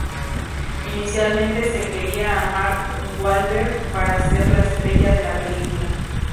Inicialmente se quería a Mark Wahlberg para ser la estrella de la película.